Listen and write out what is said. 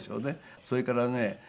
それからね